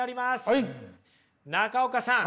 中岡さん。